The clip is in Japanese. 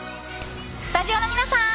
スタジオの皆さん！